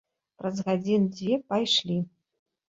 Праз гадзін дзве пайшлі.